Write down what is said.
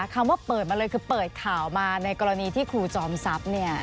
คำว่าเปิดมาเลยคือเปิดข่าวมาในกรณีที่ครูจอมทรัพย์เนี่ย